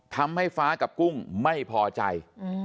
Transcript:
ทำให้ฟ้ากับกุ้งไม่พอใจ